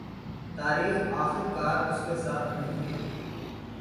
تاریخ آخرکار اس کے ساتھ نہیں ہے